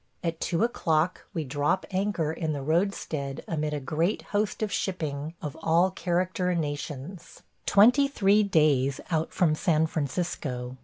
At two o'clock we drop anchor in the roadstead amid a great host of shipping of all character and nations – twenty three days out from San Francisco.